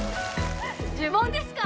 呪文ですか？